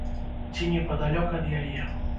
Ці непадалёк ад яе.